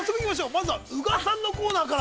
まずは、宇賀さんのコーナーから。